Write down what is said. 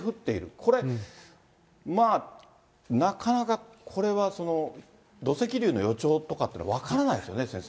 これ、まあ、なかなかこれは、土石流の予兆とかは分からないですよね、先生。